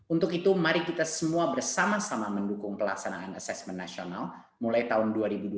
untuk itu mari kita semua bersama sama mendukung pelaksanaan asesmen nasional mulai tahun dua ribu dua puluh